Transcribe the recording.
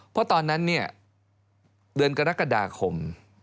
เพราะตอนนั้นเนี่ยเดือนกรกฎาคม